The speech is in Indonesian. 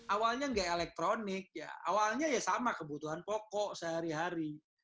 awalnya nggak elektronik ya awalnya ya sama kebutuhan pokok sehari hari